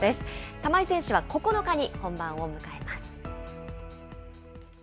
玉井選手は９日に本番を迎えます。